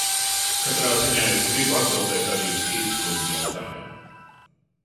Katrā ziņā es gribu atbildēt arī uz Kides kunga jautājumu.